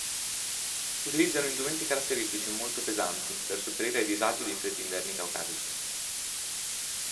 Utilizzano indumenti caratteristici e molto pesanti, per sopperire ai disagi dei freddi inverni caucasici.